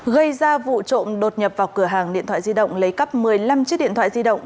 gây ra vụ trộm đột nhập vào cửa hàng điện thoại di động lấy cắp một mươi năm chiếc điện thoại di động